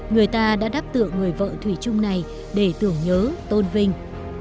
người ta đã đáp tượng người vợ thủy trung này để tưởng nhớ tôn vinh